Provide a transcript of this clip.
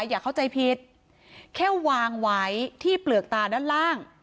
อย่าเข้าใจผิดแค่วางไว้ที่เปลือกตาด้านล่าง